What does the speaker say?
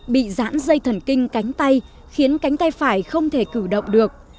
bị giãn dây thần kinh cánh tay khiến cánh tay phải không thể cử động được